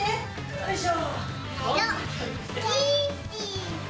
よいしょ。